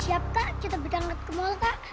siap kak kita berangkat ke mal kak